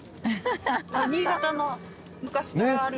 新潟の昔からある。